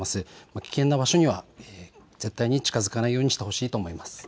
危険な場所には絶対に近づかないようにしてほしいと思います。